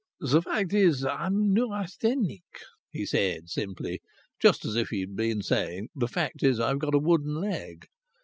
"The fact is, I'm neurasthenic," he said simply, just as if he had been saying, "The fact is, I've got a wooden leg."